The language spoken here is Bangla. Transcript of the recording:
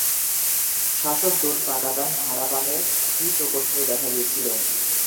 শাসক জোট পাকাতান হারাপানের কি প্রকট হয়ে দেখা দিয়েছিল?